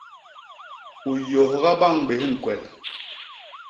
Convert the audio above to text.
U yôgha bañ bés ñkwel.